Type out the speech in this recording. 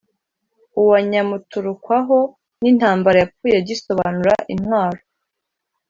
uwa nyamuturukwaho n'intambara yapfuye agisobanura intwaro!